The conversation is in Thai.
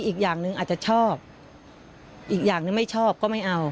อีกอย่างหนึ่งอาจจะชอบอีกอย่างนึงไม่ชอบก็ไม่เอา